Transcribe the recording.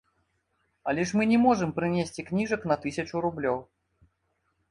Але ж мы не можам прынесці кніжак на тысячу рублёў.